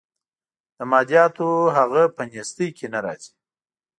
د مادیاتو هغه په نیستۍ کې نه راځي.